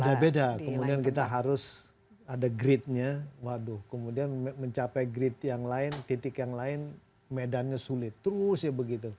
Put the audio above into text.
beda beda kemudian kita harus ada gridnya waduh kemudian mencapai grid yang lain titik yang lain medannya sulit terus ya begitu